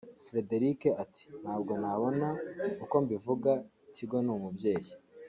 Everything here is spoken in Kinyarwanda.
Frederick ati “ Ntabwo nabona uko mbivuga Tigo ni umubyeyi